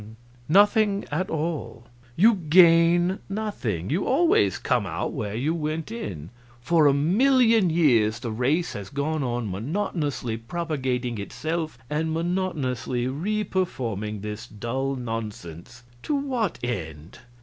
"Nothing at all. You gain nothing; you always come out where you went in. For a million years the race has gone on monotonously propagating itself and monotonously reperforming this dull nonsense to what end?